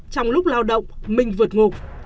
trong lúc lao động minh vượt ngục